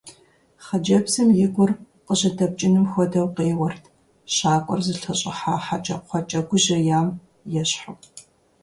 Хъыджэбзым и гур къыжьэдэпкӀыным хуэдэу къеуэрт, щакӀуэр зылъэщӀыхьа хьэкӀэкхъуэкӀэ гужьеям ещхьу.